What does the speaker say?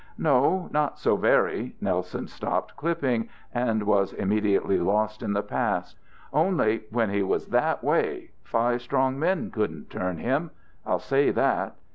"No, not so very." Nelson stopped clipping and was immediately lost in the past. "Only when he was that way five strong men couldn't turn him. I'll say that.